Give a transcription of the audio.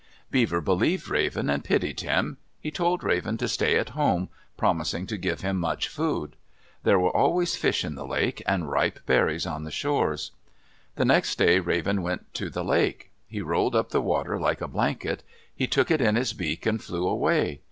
Beaver believed Raven and pitied him. He told Raven to stay at home, promising to give him much food. There were always fish in the lake and ripe berries on the shores. The next day Raven went to the lake. He rolled up the water like a blanket. He took it in his beak and flew away.